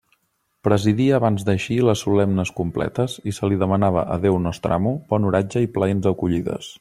Presidia abans d'eixir les solemnes completes, i se li demanava a Déu Nostramo bon oratge i plaents acollides.